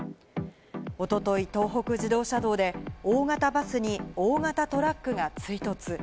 一昨日、東北自動車道で大型バスに大型トラックが追突。